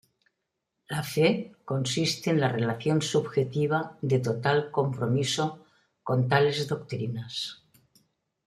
La fe consiste en la relación subjetiva de total compromiso con tales doctrinas.